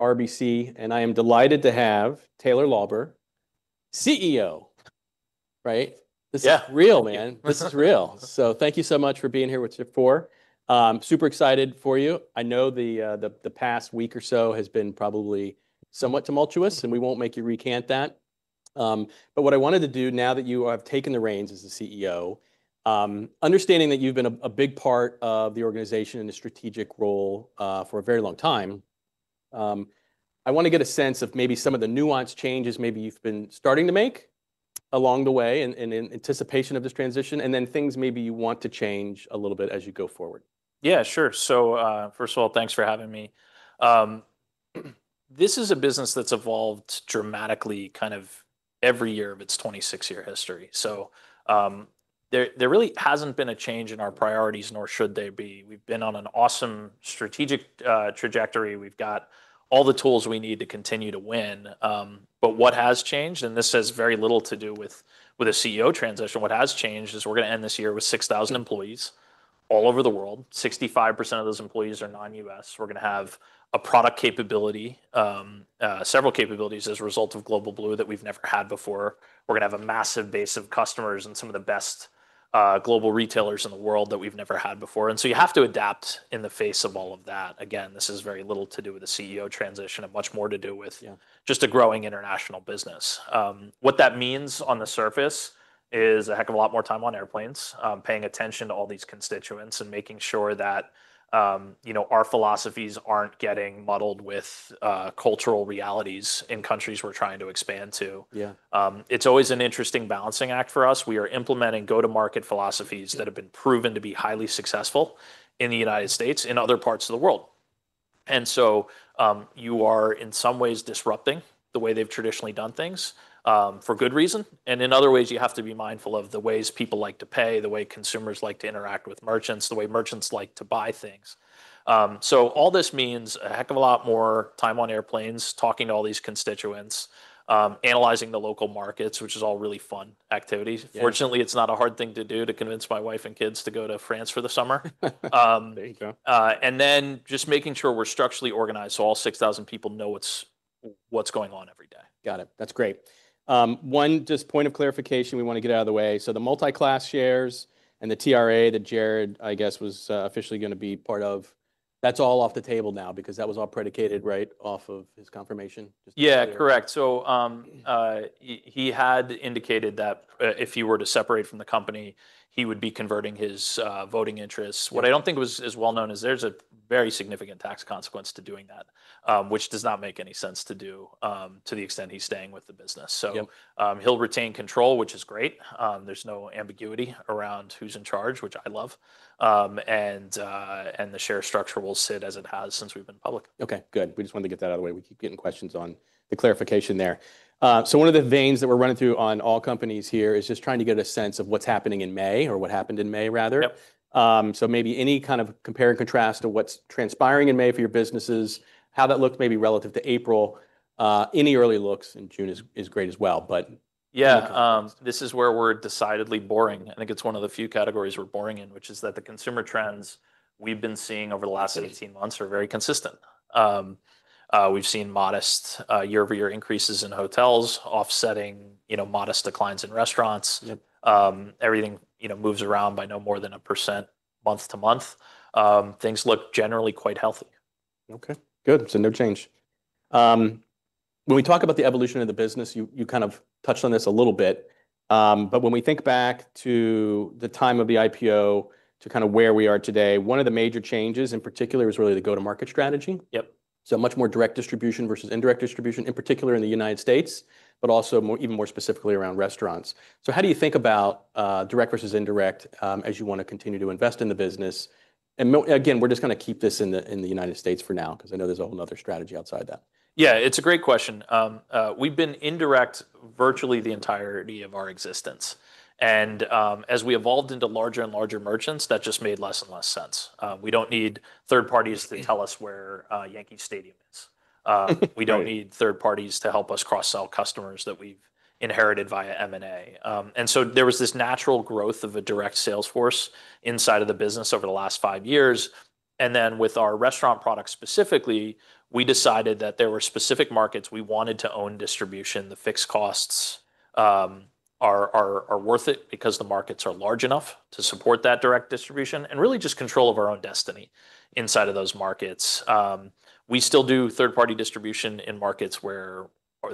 RBC, and I am delighted to have Taylor Lauber, CEO. Right? This is real, man. This is real. Thank you so much for being here with Shift4. Super excited for you. I know the past week or so has been probably somewhat tumultuous, and we will not make you recant that. What I wanted to do now that you have taken the reins as the CEO, understanding that you have been a big part of the organization in a strategic role for a very long time, I want to get a sense of maybe some of the nuanced changes maybe you have been starting to make along the way in anticipation of this transition, and then things maybe you want to change a little bit as you go forward. Yeah, sure. First of all, thanks for having me. This is a business that's evolved dramatically kind of every year of its 26-year history. There really hasn't been a change in our priorities, nor should there be. We've been on an awesome strategic trajectory. We've got all the tools we need to continue to win. What has changed, and this has very little to do with a CEO transition, what has changed is we're going to end this year with 6,000 employees all over the world. 65% of those employees are non-U.S. We're going to have a product capability, several capabilities as a result of Global Blue that we've never had before. We're going to have a massive base of customers and some of the best global retailers in the world that we've never had before. You have to adapt in the face of all of that. Again, this has very little to do with a CEO transition, and much more to do with just a growing international business. What that means on the surface is a heck of a lot more time on airplanes, paying attention to all these constituents, and making sure that our philosophies are not getting muddled with cultural realities in countries we are trying to expand to. It is always an interesting balancing act for us. We are implementing go-to-market philosophies that have been proven to be highly successful in the United States, in other parts of the world. You are in some ways disrupting the way they have traditionally done things for good reason. In other ways, you have to be mindful of the ways people like to pay, the way consumers like to interact with merchants, the way merchants like to buy things. All this means a heck of a lot more time on airplanes, talking to all these constituents, analyzing the local markets, which is all really fun activities. Fortunately, it's not a hard thing to do to convince my wife and kids to go to France for the summer. Just making sure we're structurally organized so all 6,000 people know what's going on every day. Got it. That's great. One just point of clarification we want to get out of the way. So the multi-class shares and the TRA that Jared, I guess, was officially going to be part of, that's all off the table now because that was all predicated right off of his confirmation? Yeah, correct. He had indicated that if he were to separate from the company, he would be converting his voting interests. What I do not think was as well known is there is a very significant tax consequence to doing that, which does not make any sense to do to the extent he is staying with the business. He will retain control, which is great. There is no ambiguity around who is in charge, which I love. The share structure will sit as it has since we have been public. Okay, good. We just wanted to get that out of the way. We keep getting questions on the clarification there. One of the veins that we are running through on all companies here is just trying to get a sense of what is happening in May or what happened in May, rather. Maybe any kind of compare and contrast to what is transpiring in May for your businesses, how that looked maybe relative to April, any early looks in June is great as well. Yeah, this is where we're decidedly boring. I think it's one of the few categories we're boring in, which is that the consumer trends we've been seeing over the last 18 months are very consistent. We've seen modest year-over-year increases in hotels offsetting modest declines in restaurants. Everything moves around by no more than 1% month to month. Things look generally quite healthy. Okay, good. No change. When we talk about the evolution of the business, you kind of touched on this a little bit. When we think back to the time of the IPO to kind of where we are today, one of the major changes in particular is really the go-to-market strategy. Much more direct distribution versus indirect distribution, in particular in the United States, but also even more specifically around restaurants. How do you think about direct versus indirect as you want to continue to invest in the business? Again, we're just going to keep this in the United States for now because I know there's a whole other strategy outside that. Yeah, it's a great question. We've been indirect virtually the entirety of our existence. As we evolved into larger and larger merchants, that just made less and less sense. We don't need third parties to tell us where Yankee Stadium is. We don't need third parties to help us cross-sell customers that we've inherited via M&A. There was this natural growth of a direct sales force inside of the business over the last five years. With our restaurant product specifically, we decided that there were specific markets we wanted to own distribution. The fixed costs are worth it because the markets are large enough to support that direct distribution and really just control of our own destiny inside of those markets. We still do third-party distribution in markets where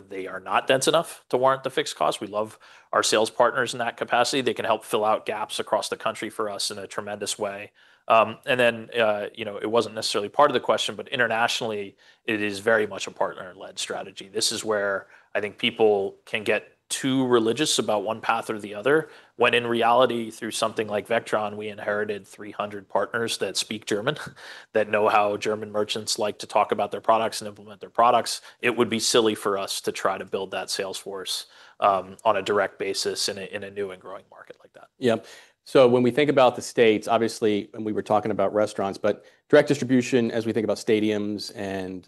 they are not dense enough to warrant the fixed costs. We love our sales partners in that capacity. They can help fill out gaps across the country for us in a tremendous way. It was not necessarily part of the question, but internationally, it is very much a partner-led strategy. This is where I think people can get too religious about one path or the other, when in reality, through something like Vectron, we inherited 300 partners that speak German, that know how German merchants like to talk about their products and implement their products. It would be silly for us to try to build that sales force on a direct basis in a new and growing market like that. Yeah. So when we think about the States, obviously, and we were talking about restaurants, but direct distribution, as we think about stadiums and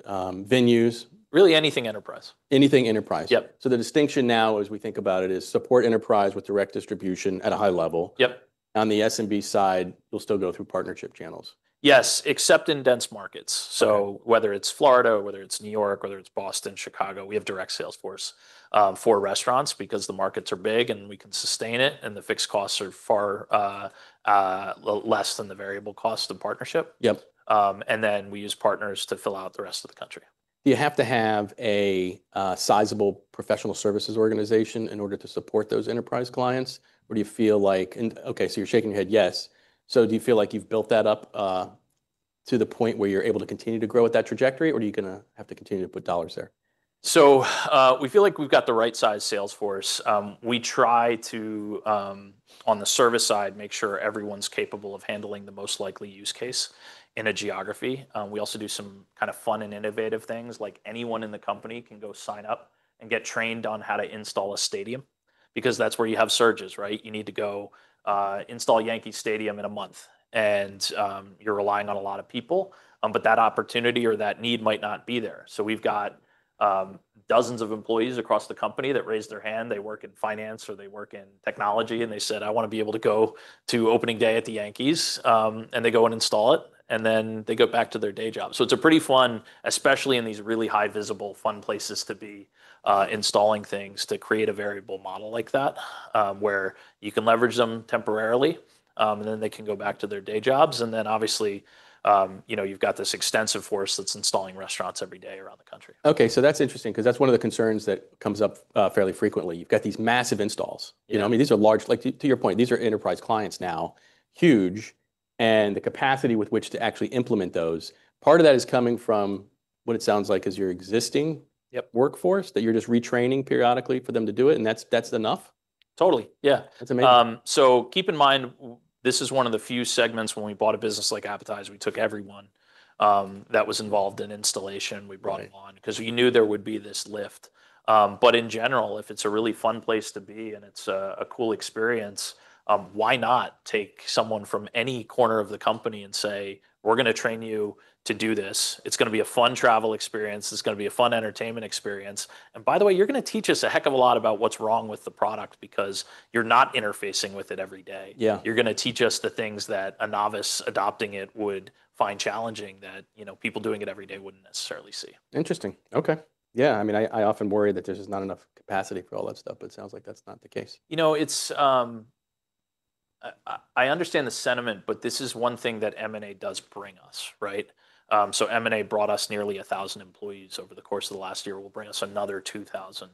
venues. Really anything enterprise. Anything enterprise. Yep. The distinction now, as we think about it, is support enterprise with direct distribution at a high level. Yep. On the SMB side, you'll still go through partnership channels. Yes, except in dense markets. Whether it is Florida, whether it is New York, whether it is Boston, Chicago, we have direct sales force for restaurants because the markets are big and we can sustain it, and the fixed costs are far less than the variable cost of partnership. Then we use partners to fill out the rest of the country. Do you have to have a sizable professional services organization in order to support those enterprise clients? What do you feel like? Okay, so you're shaking your head, yes. Do you feel like you've built that up to the point where you're able to continue to grow with that trajectory, or are you going to have to continue to put dollars there? We feel like we've got the right size sales force. We try to, on the service side, make sure everyone's capable of handling the most likely use case in a geography. We also do some kind of fun and innovative things, like anyone in the company can go sign up and get trained on how to install a stadium because that's where you have surges, right? You need to go install Yankee Stadium in a month, and you're relying on a lot of people, but that opportunity or that need might not be there. We've got dozens of employees across the company that raised their hand. They work in finance or they work in technology, and they said, "I want to be able to go to opening day at the Yankees," and they go and install it, and then they go back to their day job. It's pretty fun, especially in these really high-visible, fun places to be installing things to create a variable model like that, where you can leverage them temporarily, and then they can go back to their day jobs. Then obviously, you've got this extensive force that's installing restaurants every day around the country. Okay, so that's interesting because that's one of the concerns that comes up fairly frequently. You've got these massive installs. I mean, these are large, like to your point, these are enterprise clients now, huge, and the capacity with which to actually implement those, part of that is coming from what it sounds like is your existing workforce that you're just retraining periodically for them to do it, and that's enough? Totally. Yeah. That's amazing. Keep in mind, this is one of the few segments when we bought a business like Apatize, we took everyone that was involved in installation. We brought them on because we knew there would be this lift. In general, if it's a really fun place to be and it's a cool experience, why not take someone from any corner of the company and say, "We're going to train you to do this. It's going to be a fun travel experience. It's going to be a fun entertainment experience. By the way, you're going to teach us a heck of a lot about what's wrong with the product because you're not interfacing with it every day. You're going to teach us the things that a novice adopting it would find challenging that people doing it every day wouldn't necessarily see. Interesting. Okay. Yeah. I mean, I often worry that there's just not enough capacity for all that stuff, but it sounds like that's not the case. You know, I understand the sentiment, but this is one thing that M&A does bring us, right? M&A brought us nearly 1,000 employees over the course of the last year. It will bring us another 2,000.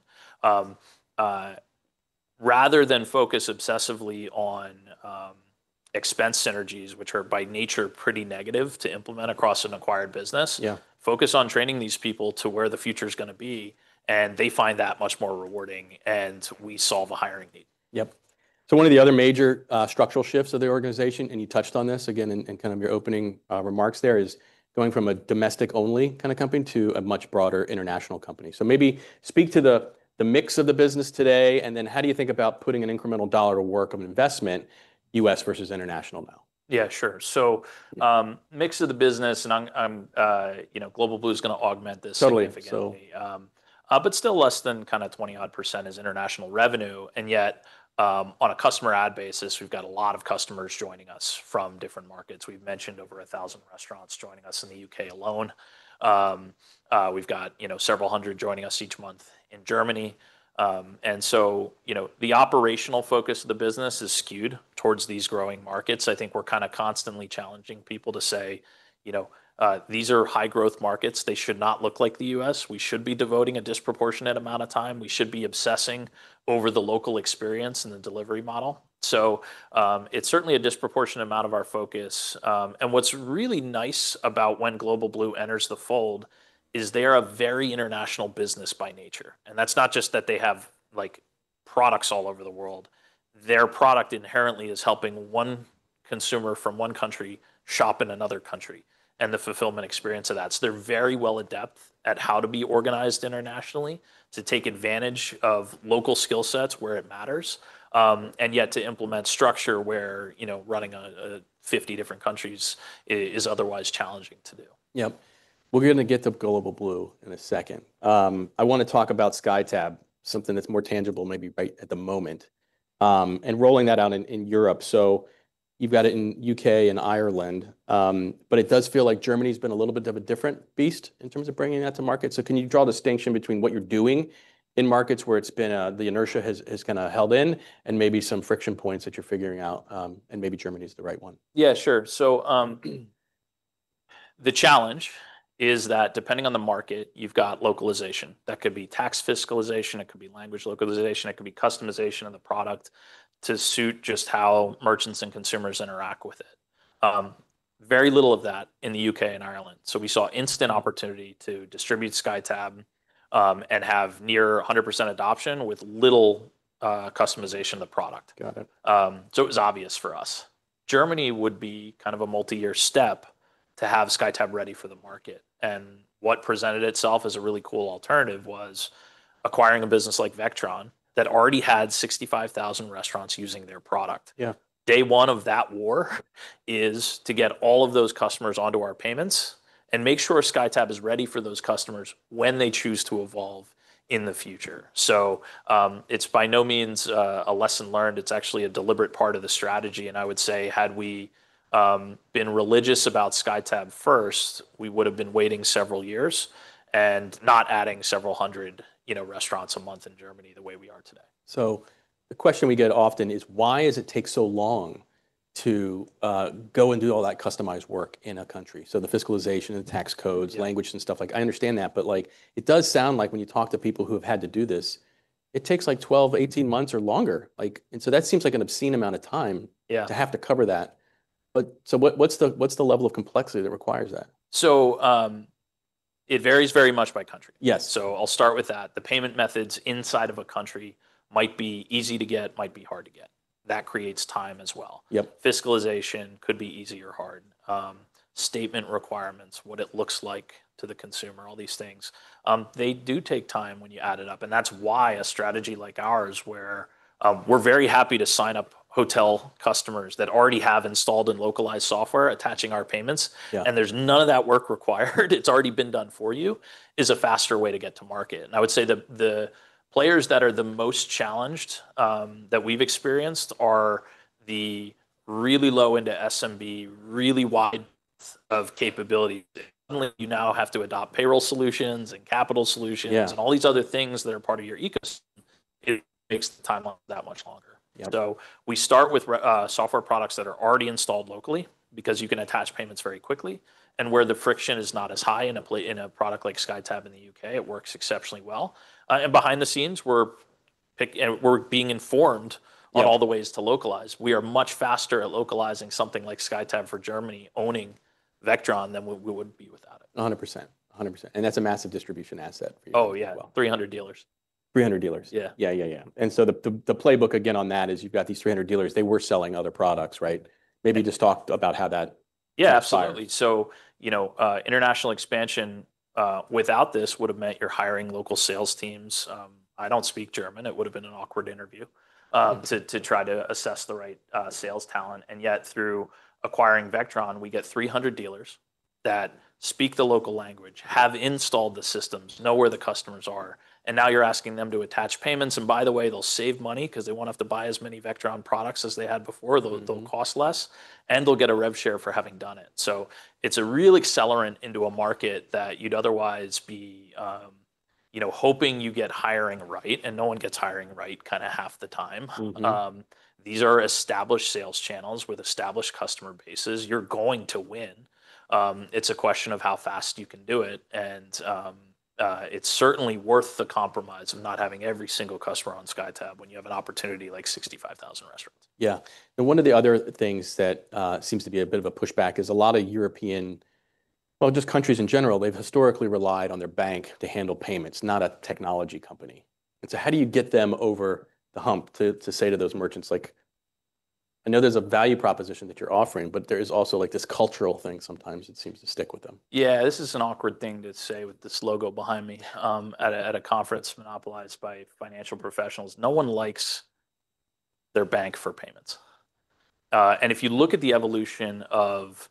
Rather than focus obsessively on expense synergies, which are by nature pretty negative to implement across an acquired business, focus on training these people to where the future is going to be, and they find that much more rewarding, and we solve a hiring need. Yep. One of the other major structural shifts of the organization, and you touched on this again in kind of your opening remarks there, is going from a domestic-only kind of company to a much broader international company. Maybe speak to the mix of the business today, and then how do you think about putting an incremental dollar to work of investment, U.S. versus international now? Yeah, sure. So mix of the business, and Global Blue is going to augment this significantly, but still less than kind of 20% is international revenue. Yet, on a customer ad basis, we've got a lot of customers joining us from different markets. We've mentioned over 1,000 restaurants joining us in the U.K. alone. We've got several hundred joining us each month in Germany. The operational focus of the business is skewed towards these growing markets. I think we're kind of constantly challenging people to say, "These are high-growth markets. They should not look like the U.S. We should be devoting a disproportionate amount of time. We should be obsessing over the local experience and the delivery model." It is certainly a disproportionate amount of our focus. What's really nice about when Global Blue enters the fold is they are a very international business by nature. That is not just that they have products all over the world. Their product inherently is helping one consumer from one country shop in another country and the fulfillment experience of that. They are very well adept at how to be organized internationally, to take advantage of local skill sets where it matters, and yet to implement structure where running 50 different countries is otherwise challenging to do. Yep. We're going to get to Global Blue in a second. I want to talk about SkyTab, something that's more tangible maybe right at the moment and rolling that out in Europe. You have got it in the U.K. and Ireland, but it does feel like Germany has been a little bit of a different beast in terms of bringing that to market. Can you draw a distinction between what you are doing in markets where the inertia has kind of held in and maybe some friction points that you are figuring out, and maybe Germany is the right one? Yeah, sure. The challenge is that depending on the market, you've got localization. That could be tax fiscalization. It could be language localization. It could be customization of the product to suit just how merchants and consumers interact with it. Very little of that in the U.K. and Ireland. We saw instant opportunity to distribute SkyTab and have near 100% adoption with little customization of the product. It was obvious for us. Germany would be kind of a multi-year step to have SkyTab ready for the market. What presented itself as a really cool alternative was acquiring a business like Vectron that already had 65,000 restaurants using their product. Day one of that war is to get all of those customers onto our payments and make sure SkyTab is ready for those customers when they choose to evolve in the future. It is by no means a lesson learned. It is actually a deliberate part of the strategy. I would say, had we been religious about SkyTab first, we would have been waiting several years and not adding several hundred restaurants a month in Germany the way we are today. The question we get often is, why does it take so long to go and do all that customized work in a country? The fiscalization and tax codes, language and stuff like that, I understand that, but it does sound like when you talk to people who have had to do this, it takes like 12-18 months or longer. That seems like an obscene amount of time to have to cover that. What is the level of complexity that requires that? It varies very much by country. Yes. I'll start with that. The payment methods inside of a country might be easy to get, might be hard to get. That creates time as well. Fiscalization could be easy or hard. Statement requirements, what it looks like to the consumer, all these things. They do take time when you add it up. That is why a strategy like ours, where we're very happy to sign up hotel customers that already have installed and localized software attaching our payments, and there's none of that work required. It's already been done for you, is a faster way to get to market. I would say the players that are the most challenged that we've experienced are the really low-end SMB, really wide of capability. Suddenly, you now have to adopt payroll solutions and capital solutions and all these other things that are part of your ecosystem. It makes the timeline that much longer. We start with software products that are already installed locally because you can attach payments very quickly and where the friction is not as high. In a product like SkyTab in the U.K., it works exceptionally well. Behind the scenes, we're being informed on all the ways to localize. We are much faster at localizing something like SkyTab for Germany owning Vectron than we would be without it. 100%. 100%. That is a massive distribution asset for you. Oh, yeah. 300 dealers. 300 dealers. Yeah. Yeah, yeah. And so the playbook again on that is you've got these 300 dealers. They were selling other products, right? Maybe just talk about how that. Yeah, absolutely. International expansion without this would have meant you're hiring local sales teams. I don't speak German. It would have been an awkward interview to try to assess the right sales talent. Yet through acquiring Vectron, we get 300 dealers that speak the local language, have installed the systems, know where the customers are, and now you're asking them to attach payments. By the way, they'll save money because they won't have to buy as many Vectron products as they had before. They'll cost less, and they'll get a rev share for having done it. It's a real accelerant into a market that you'd otherwise be hoping you get hiring right, and no one gets hiring right kind of half the time. These are established sales channels with established customer bases. You're going to win. It's a question of how fast you can do it. It is certainly worth the compromise of not having every single customer on SkyTab when you have an opportunity like 65,000 restaurants. Yeah. One of the other things that seems to be a bit of a pushback is a lot of European, well, just countries in general, they've historically relied on their bank to handle payments, not a technology company. How do you get them over the hump to say to those merchants, like, "I know there's a value proposition that you're offering, but there is also this cultural thing sometimes that seems to stick with them"? Yeah, this is an awkward thing to say with this logo behind me at a conference monopolized by financial professionals. No one likes their bank for payments. If you look at the evolution of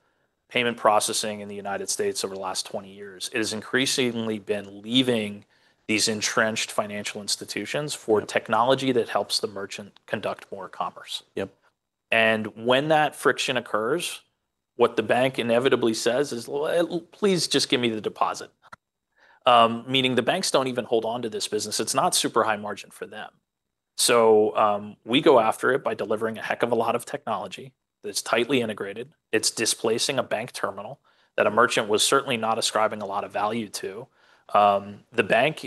payment processing in the United States over the last 20 years, it has increasingly been leaving these entrenched financial institutions for technology that helps the merchant conduct more commerce. When that friction occurs, what the bank inevitably says is, "Please just give me the deposit," meaning the banks do not even hold on to this business. It is not super high margin for them. We go after it by delivering a heck of a lot of technology that is tightly integrated. It is displacing a bank terminal that a merchant was certainly not ascribing a lot of value to. The bank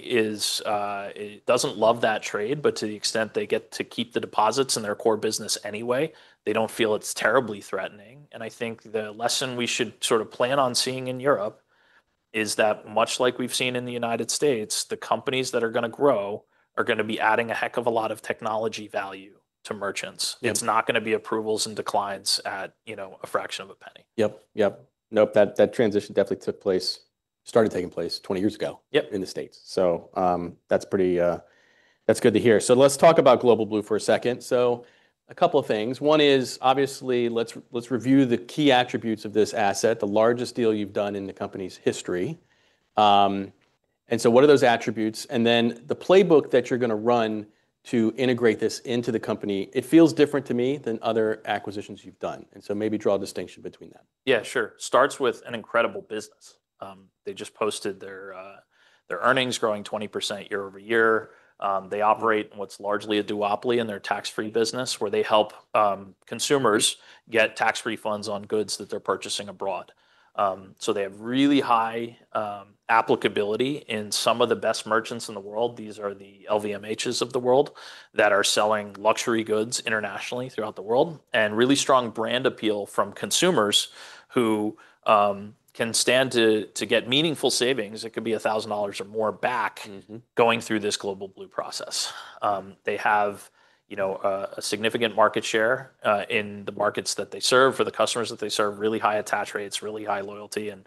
doesn't love that trade, but to the extent they get to keep the deposits in their core business anyway, they don't feel it's terribly threatening. I think the lesson we should sort of plan on seeing in Europe is that much like we've seen in the United States, the companies that are going to grow are going to be adding a heck of a lot of technology value to merchants. It's not going to be approvals and declines at a fraction of a penny. Yep, yep. Nope. That transition definitely took place, started taking place 20 years ago in the U.S. That is good to hear. Let's talk about Global Blue for a second. A couple of things. One is obviously let's review the key attributes of this asset, the largest deal you have done in the company's history. What are those attributes? Then the playbook that you are going to run to integrate this into the company, it feels different to me than other acquisitions you have done. Maybe draw a distinction between them. Yeah, sure. Starts with an incredible business. They just posted their earnings growing 20% year-over-year. They operate in what's largely a duopoly in their tax-free business where they help consumers get tax-free funds on goods that they're purchasing abroad. They have really high applicability in some of the best merchants in the world. These are the LVMHs of the world that are selling luxury goods internationally throughout the world and really strong brand appeal from consumers who can stand to get meaningful savings. It could be $1,000 or more back going through this Global Blue process. They have a significant market share in the markets that they serve for the customers that they serve, really high attach rates, really high loyalty, and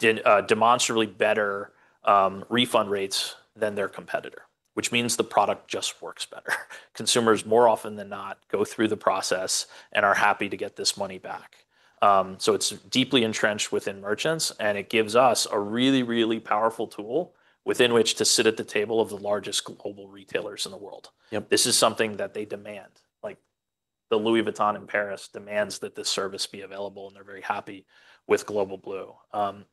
demonstrably better refund rates than their competitor, which means the product just works better. Consumers more often than not go through the process and are happy to get this money back. It is deeply entrenched within merchants, and it gives us a really, really powerful tool within which to sit at the table of the largest global retailers in the world. This is something that they demand. The Louis Vuitton in Paris demands that this service be available, and they are very happy with Global Blue.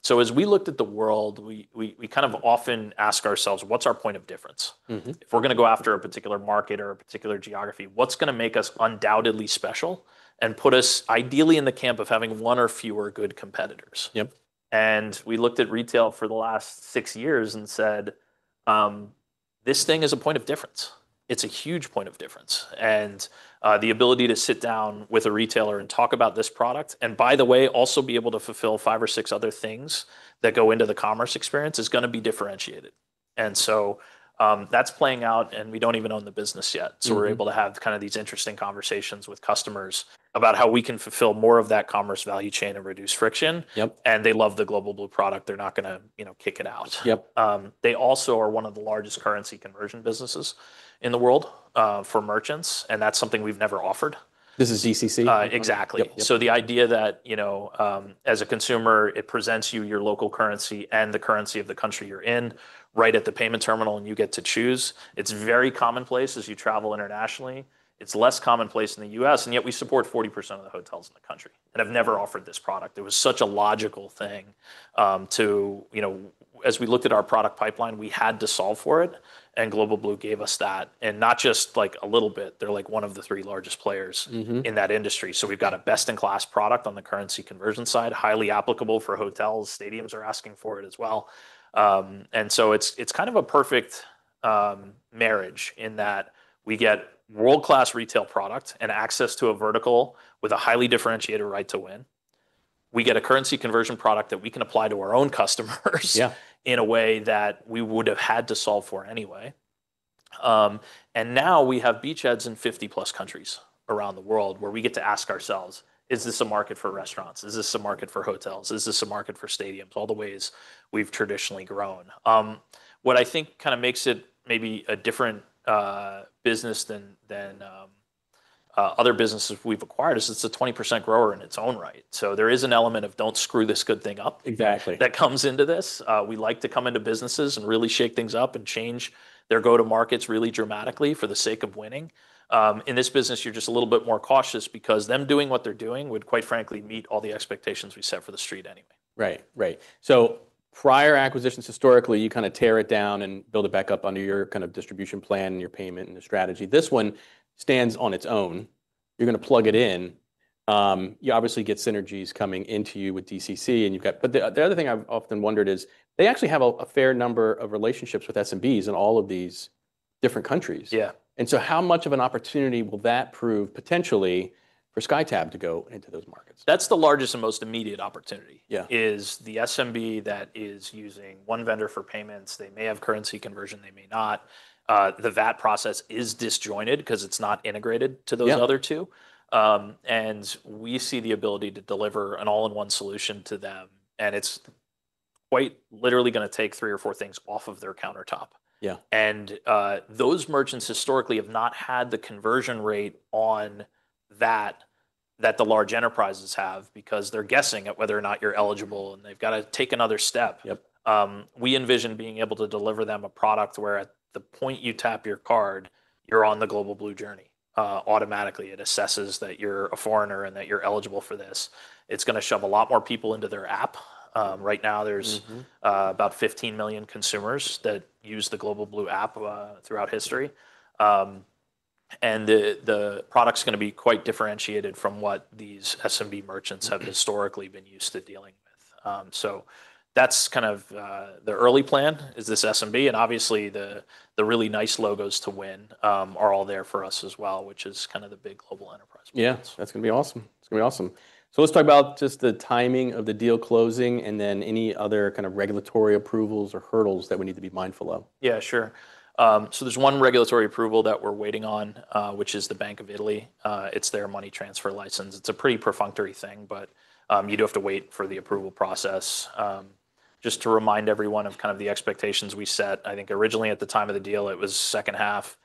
As we looked at the world, we kind of often ask ourselves, what's our point of difference? If we are going to go after a particular market or a particular geography, what's going to make us undoubtedly special and put us ideally in the camp of having one or fewer good competitors? We looked at retail for the last six years and said, this thing is a point of difference. It is a huge point of difference. The ability to sit down with a retailer and talk about this product and, by the way, also be able to fulfill five or six other things that go into the commerce experience is going to be differentiated. That is playing out, and we do not even own the business yet. We are able to have kind of these interesting conversations with customers about how we can fulfill more of that commerce value chain and reduce friction. They love the Global Blue product. They are not going to kick it out. They also are one of the largest currency conversion businesses in the world for merchants, and that is something we have never offered. This is DCC? Exactly. The idea that as a consumer, it presents you your local currency and the currency of the country you're in right at the payment terminal, and you get to choose. It's very commonplace as you travel internationally. It's less commonplace in the U.S., and yet we support 40% of the hotels in the country. I've never offered this product. It was such a logical thing to, as we looked at our product pipeline, we had to solve for it, and Global Blue gave us that. Not just a little bit. They're one of the three largest players in that industry. We've got a best-in-class product on the currency conversion side, highly applicable for hotels. Stadiums are asking for it as well. It is kind of a perfect marriage in that we get world-class retail product and access to a vertical with a highly differentiated right to win. We get a currency conversion product that we can apply to our own customers in a way that we would have had to solve for anyway. Now we have beachheads in 50-plus countries around the world where we get to ask ourselves, is this a market for restaurants? Is this a market for hotels? Is this a market for stadiums? All the ways we have traditionally grown. What I think kind of makes it maybe a different business than other businesses we have acquired is it is a 20% grower in its own right. There is an element of do not screw this good thing up that comes into this. We like to come into businesses and really shake things up and change their go-to-markets really dramatically for the sake of winning. In this business, you're just a little bit more cautious because them doing what they're doing would, quite frankly, meet all the expectations we set for the street anyway. Right, right. Prior acquisitions, historically, you kind of tear it down and build it back up under your kind of distribution plan and your payment and your strategy. This one stands on its own. You're going to plug it in. You obviously get synergies coming into you with DCC, and you've got, but the other thing I've often wondered is they actually have a fair number of relationships with SMBs in all of these different countries. Yeah. How much of an opportunity will that prove potentially for SkyTab to go into those markets? That's the largest and most immediate opportunity is the SMB that is using one vendor for payments. They may have currency conversion. They may not. The VAT process is disjointed because it's not integrated to those other two. We see the ability to deliver an all-in-one solution to them. It's quite literally going to take three or four things off of their countertop. Yeah. Those merchants historically have not had the conversion rate on that that the large enterprises have because they're guessing at whether or not you're eligible, and they've got to take another step. We envision being able to deliver them a product where at the point you tap your card, you're on the Global Blue journey automatically. It assesses that you're a foreigner and that you're eligible for this. It's going to shove a lot more people into their app. Right now, there's about 15 million consumers that use the Global Blue app throughout history. The product's going to be quite differentiated from what these SMB merchants have historically been used to dealing with. That's kind of the early plan is this SMB. Obviously, the really nice logos to win are all there for us as well, which is kind of the big global enterprise point. Yeah. That's going to be awesome. So let's talk about just the timing of the deal closing and then any other kind of regulatory approvals or hurdles that we need to be mindful of. Yeah, sure. So there's one regulatory approval that we're waiting on, which is the Bank of Italy. It's their money transfer license. It's a pretty perfunctory thing, but you do have to wait for the approval process. Just to remind everyone of kind of the expectations we set. I think originally at the time of the deal, it was second half.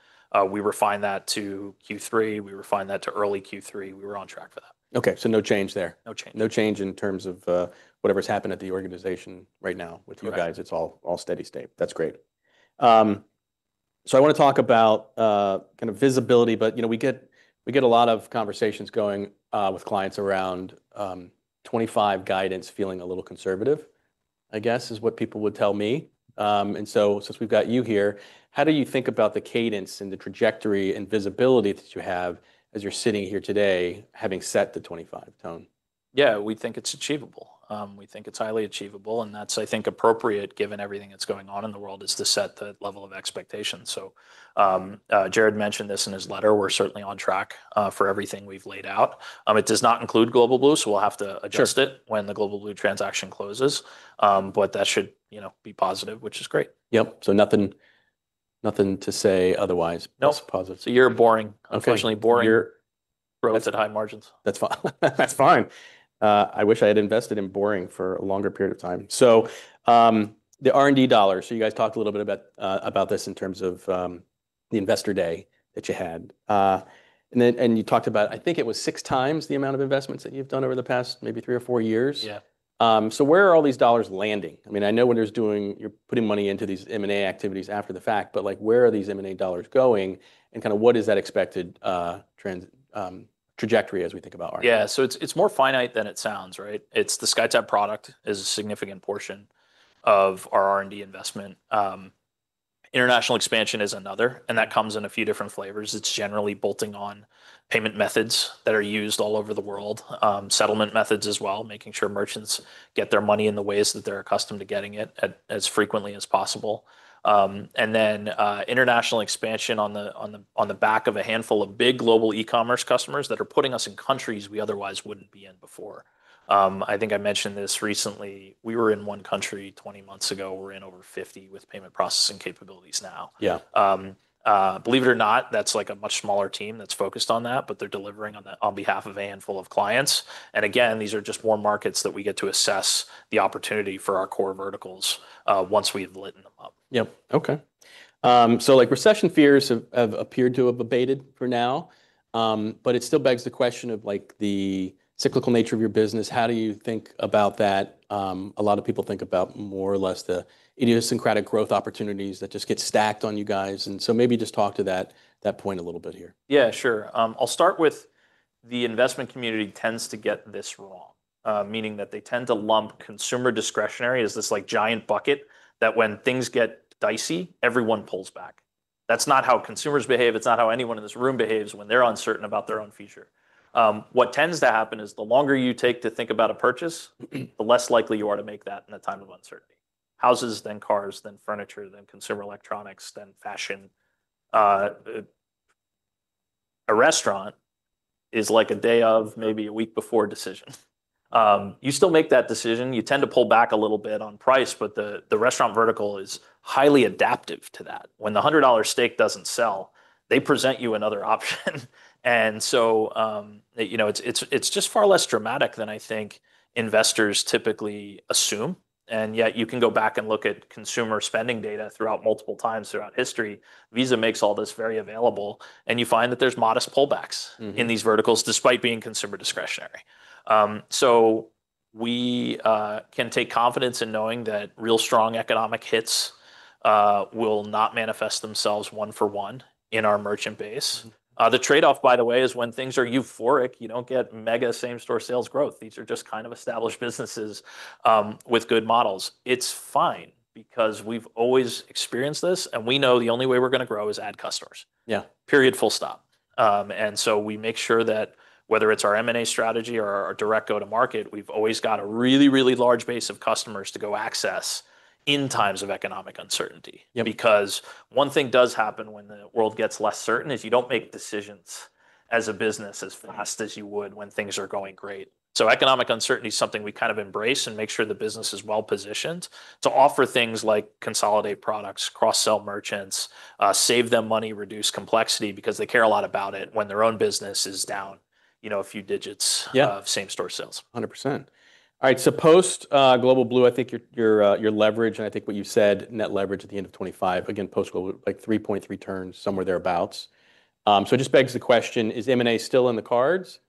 We refined that to Q3. We refined that to early Q3. We were on track for that. Okay. So no change there. No change. No change in terms of whatever's happened at the organization right now with you guys. It's all steady state. That's great. I want to talk about kind of visibility, but we get a lot of conversations going with clients around 2025 guidance feeling a little conservative, I guess, is what people would tell me. Since we've got you here, how do you think about the cadence and the trajectory and visibility that you have as you're sitting here today having set the 2025 tone? Yeah, we think it's achievable. We think it's highly achievable. I think, appropriate given everything that's going on in the world, is to set the level of expectation. Jared mentioned this in his letter. We're certainly on track for everything we've laid out. It does not include Global Blue, so we'll have to adjust it when the Global Blue transaction closes, but that should be positive, which is great. Yep. So nothing to say otherwise. Nope. That's positive. You're boring. Unfortunately, boring. Okay. You're. That's at high margins. That's fine. That's fine. I wish I had invested in boring for a longer period of time. The R&D dollars, you guys talked a little bit about this in terms of the Investor Day that you had. You talked about, I think it was six times the amount of investments that you've done over the past maybe three or four years. Yeah. Where are all these dollars landing? I mean, I know when you're putting money into these M&A activities after the fact, but where are these M&A dollars going and kind of what is that expected trajectory as we think about R&D? Yeah. It is more finite than it sounds, right? The SkyTab product is a significant portion of our R&D investment. International expansion is another, and that comes in a few different flavors. It is generally bolting on payment methods that are used all over the world, settlement methods as well, making sure merchants get their money in the ways that they are accustomed to getting it as frequently as possible. International expansion is also on the back of a handful of big global e-commerce customers that are putting us in countries we otherwise would not be in before. I think I mentioned this recently. We were in one country 20 months ago. We are in over 50 with payment processing capabilities now. Yeah. Believe it or not, that is a much smaller team that is focused on that, but they are delivering on behalf of a handful of clients. Again, these are just more markets that we get to assess the opportunity for our core verticals once we have litten them up. Yep. Okay. Recession fears have appeared to have abated for now, but it still begs the question of the cyclical nature of your business. How do you think about that? A lot of people think about more or less the idiosyncratic growth opportunities that just get stacked on you guys. Maybe just talk to that point a little bit here. Yeah, sure. I'll start with the investment community tends to get this wrong, meaning that they tend to lump consumer discretionary as this giant bucket that when things get dicey, everyone pulls back. That's not how consumers behave. It's not how anyone in this room behaves when they're uncertain about their own future. What tends to happen is the longer you take to think about a purchase, the less likely you are to make that in a time of uncertainty. Houses, then cars, then furniture, then consumer electronics, then fashion. A restaurant is like a day or maybe a week before decision. You still make that decision. You tend to pull back a little bit on price, but the restaurant vertical is highly adaptive to that. When the $100 steak doesn't sell, they present you another option. It is just far less dramatic than I think investors typically assume. Yet you can go back and look at consumer spending data throughout multiple times throughout history. Visa makes all this very available, and you find that there's modest pullbacks in these verticals despite being consumer discretionary. We can take confidence in knowing that real strong economic hits will not manifest themselves one for one in our merchant base. The trade-off, by the way, is when things are euphoric, you don't get mega same-store sales growth. These are just kind of established businesses with good models. It's fine because we've always experienced this, and we know the only way we're going to grow is add customers. Yeah. Period. Full stop. We make sure that whether it's our M&A strategy or our direct go-to-market, we've always got a really, really large base of customers to go access in times of economic uncertainty. Because one thing does happen when the world gets less certain is you don't make decisions as a business as fast as you would when things are going great. Economic uncertainty is something we kind of embrace and make sure the business is well-positioned to offer things like consolidate products, cross-sell merchants, save them money, reduce complexity because they care a lot about it when their own business is down a few digits of same-store sales. 100%. All right. Post Global Blue, I think your leverage, and I think what you said, net leverage at the end of 2025, again, post Global Blue, like 3.3 turns, somewhere thereabouts. It just begs the question, is M&A still in the cards?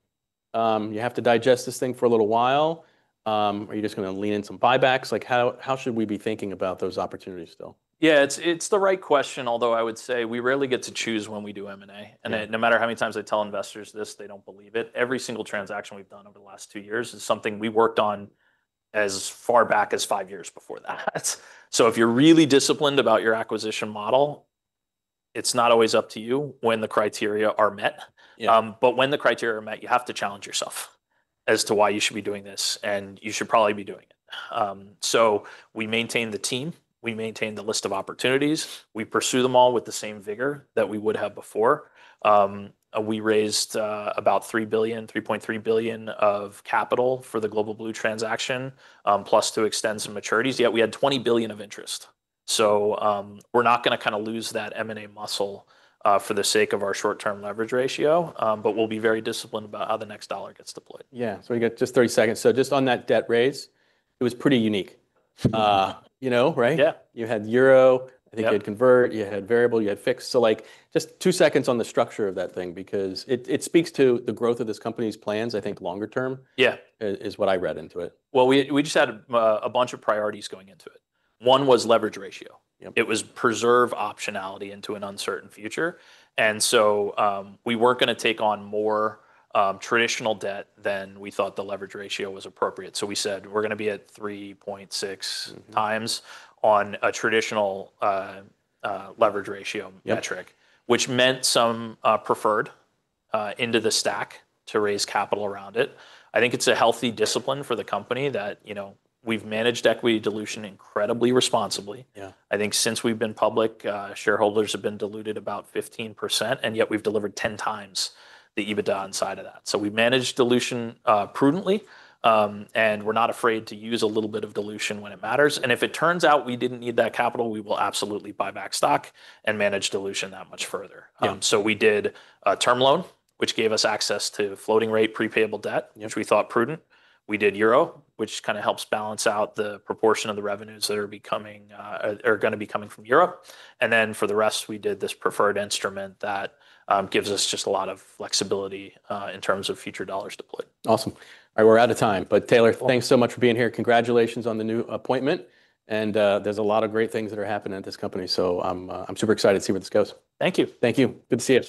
You have to digest this thing for a little while, or are you just going to lean in some buybacks? How should we be thinking about those opportunities still? Yeah, it's the right question, although I would say we rarely get to choose when we do M&A. And no matter how many times I tell investors this, they don't believe it. Every single transaction we've done over the last two years is something we worked on as far back as five years before that. If you're really disciplined about your acquisition model, it's not always up to you when the criteria are met. When the criteria are met, you have to challenge yourself as to why you should be doing this, and you should probably be doing it. We maintain the team. We maintain the list of opportunities. We pursue them all with the same vigor that we would have before. We raised about $3 billion, $3.3 billion of capital for the Global Blue transaction, plus to extend some maturities. Yet we had $20 billion of interest. We're not going to kind of lose that M&A muscle for the sake of our short-term leverage ratio, but we'll be very disciplined about how the next dollar gets deployed. Yeah. So we got just 30 seconds. So just on that debt raise, it was pretty unique. You know, right? Yeah. You had euro. I think you had convert. You had variable. You had fixed. Just two seconds on the structure of that thing because it speaks to the growth of this company's plans, I think longer term is what I read into it. We just had a bunch of priorities going into it. One was leverage ratio. It was preserve optionality into an uncertain future. We were not going to take on more traditional debt than we thought the leverage ratio was appropriate. We said we are going to be at 3.6 times on a traditional leverage ratio metric, which meant some preferred into the stack to raise capital around it. I think it is a healthy discipline for the company that we have managed equity dilution incredibly responsibly. I think since we have been public, shareholders have been diluted about 15%, and yet we have delivered 10 times the EBITDA inside of that. We managed dilution prudently, and we are not afraid to use a little bit of dilution when it matters. If it turns out we did not need that capital, we will absolutely buy back stock and manage dilution that much further. We did a term loan, which gave us access to floating rate prepayable debt, which we thought prudent. We did euro, which kind of helps balance out the proportion of the revenues that are going to be coming from euro. For the rest, we did this preferred instrument that gives us just a lot of flexibility in terms of future dollars deployed. Awesome. All right. We're out of time. Taylor, thanks so much for being here. Congratulations on the new appointment. There's a lot of great things that are happening at this company. I'm super excited to see where this goes. Thank you. Thank you. Good to see you.